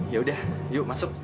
yaudah yuk masuk